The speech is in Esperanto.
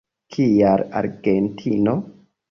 Kial Argentino?